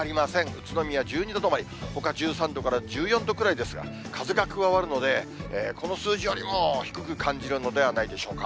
宇都宮１２度止まり、ほか１３度から１４度くらいですが、風が加わるので、この数字よりも低く感じるのではないでしょうか。